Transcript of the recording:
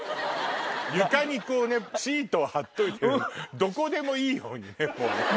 床にシートを貼っといてどこでもいいようにね。